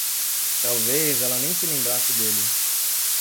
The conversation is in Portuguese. Talvez ela nem se lembrasse dele.